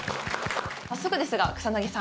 早速ですが草さん。